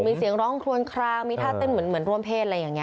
มีเสียงร้องคลวนคลางมีท่าเต้นเหมือนร่วมเพศอะไรอย่างนี้